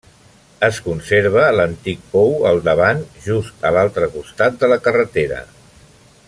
Es conserva l’antic pou al davant, just a l’altre costat de la carretera.